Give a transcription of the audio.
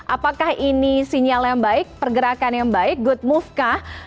apakah ini sinyal yang baik pergerakan yang baik good move kah